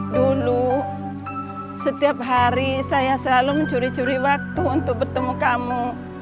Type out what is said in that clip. dulu setiap hari saya selalu mencuri curi waktu untuk bertemu kamu